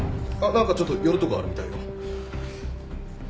何かちょっと寄るとこあるみたいよ。